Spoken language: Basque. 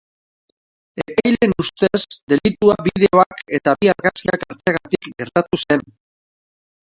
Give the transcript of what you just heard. Epaileen ustez, delitua bideoak eta bi argazkiak hartzeagatik gertatu zen.